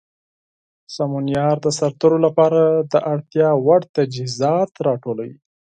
سمونیار د سرتیرو لپاره د اړتیا وړ تجهیزات راټولوي.